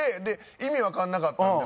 意味わかんなかったんで。